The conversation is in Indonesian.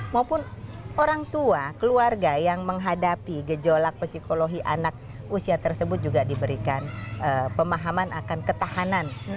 maupun orang tua keluarga yang menghadapi gejolak psikologi anak usia tersebut juga diberikan pemahaman akan ketahanan